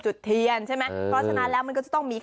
จุดเทียนใช่ไหมเพราะฉะนั้นแล้วมันก็จะต้องมี